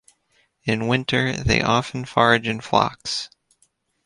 In winter, they often forage in flocks.